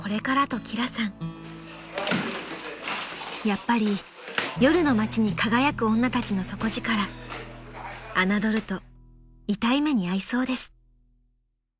［やっぱり夜の街に輝く女たちの底力侮ると痛い目に遭いそうです］